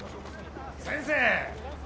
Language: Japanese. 先生！